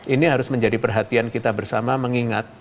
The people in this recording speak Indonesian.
ini harus menjadi perhatian kita bersama mengingat